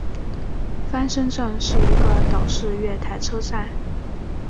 翻身站是一个岛式月台车站。